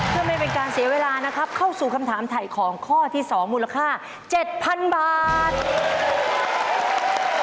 เพื่อไม่เป็นการเสียเวลานะครับเข้าสู่คำถามถ่ายของข้อที่๒มูลค่า๗๐๐๐บาท